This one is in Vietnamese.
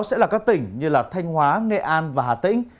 cảnh báo sẽ là các tỉnh như thanh hóa nghệ an và hà tĩnh